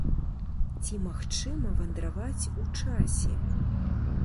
Ці магчыма вандраваць у часе?